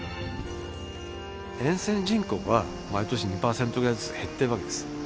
沿線人口は毎年２％ぐらいずつ減ってるわけです。